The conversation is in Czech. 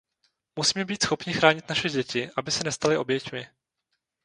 Musíme být schopni chránit naše děti, aby se nestaly oběťmi.